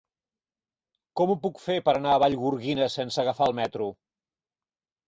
Com ho puc fer per anar a Vallgorguina sense agafar el metro?